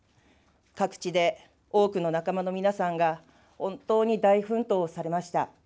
各地で多くの仲間の皆さんが、本当に大奮闘をされました。